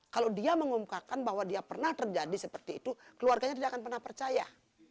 kalau dia mengumumkakan bahwa dia pernah terjadi seperti itu keluarganya tidak akan pernah percaya